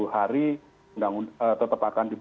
hari tetap akan